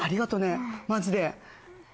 マジで。